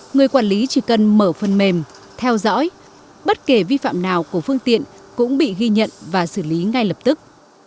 người quản lý chỉ cần mở phần mềm theo dõi bất kỳ vi phạm nào của phương tiện cũng bị ghi nhận và xử lý ngay lập tức